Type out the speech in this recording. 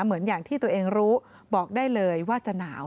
เหมือนอย่างที่ตัวเองรู้บอกได้เลยว่าจะหนาว